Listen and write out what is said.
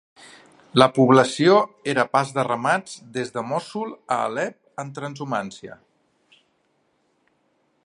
La població era pas de ramats des de Mossul a Alep en transhumància.